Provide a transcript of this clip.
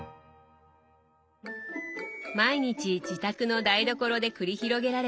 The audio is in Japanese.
毎日自宅の台所で繰り広げられている実験